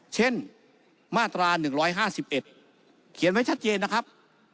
เช่นมาตรา๑๕๑เขียนไว้ชัดเจนนะครับ